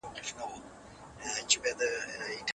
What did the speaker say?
خپل کلي کي صفايي کوئ.